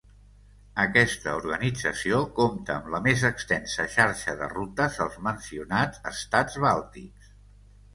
Aquesta organització compta amb la més extensa xarxa de rutes als mencionats estats bàltics.